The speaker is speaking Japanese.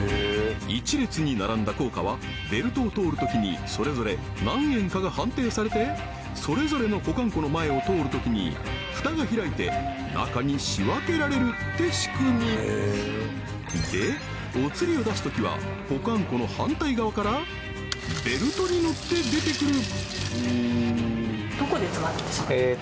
１列に並んだ硬貨はベルトを通るときにそれぞれ何円かが判定されてそれぞれの保管庫の前を通るときにフタが開いて中に仕分けられるって仕組みでおつりを出すときは保管庫の反対側からベルトにのって出てくる！